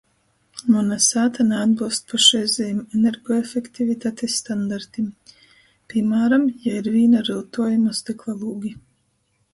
Muna sāta naatbylst pošreizejim energoefektivitatis standartim, pīmāram, jai ir vīna ryutuojuma stykla lūgi.